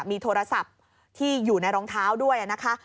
มีโทรศัพท์ที่อยู่ในรองเท้าด้วยนะคะ